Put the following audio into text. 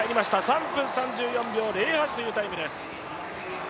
３分３４秒０８というタイムです。